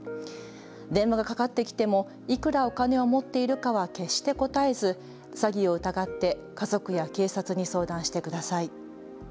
電話がかかってきてもいくらお金を持っているかは決して答えず詐欺を疑って家族や警察に相談してください。